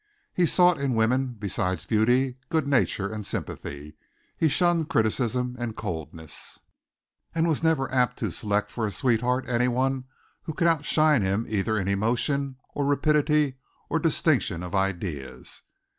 He sought in women, besides beauty, good nature and sympathy; he shunned criticism and coldness, and was never apt to select for a sweetheart anyone who could outshine him either in emotion or rapidity or distinction of ideas.